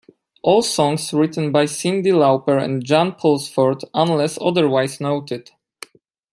All songs written by Cyndi Lauper and Jan Pulsford unless otherwise noted.